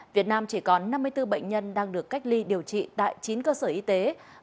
việt nam chỉ còn năm mươi bốn bệnh nhân đang được cách ly điều trị tại chín cơ sở y tế